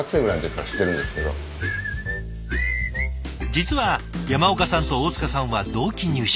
実は山岡さんと大塚さんは同期入社。